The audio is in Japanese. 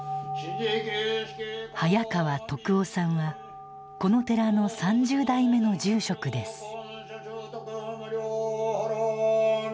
早川篤雄さんはこの寺の３０代目の住職です。